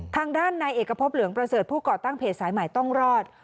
ทางด้านนายเอกพบเหลืองประเสริฐผู้ก่อตั้งเพจสายใหม่ต้องรอด